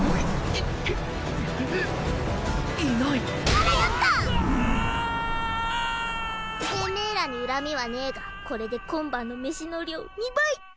ああ‼てめぇらに恨みはねぇがこれで今晩の飯の量２倍。